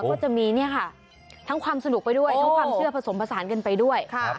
ก็จะมีเนี่ยค่ะทั้งความสนุกไปด้วยทั้งความเชื่อผสมผสานกันไปด้วย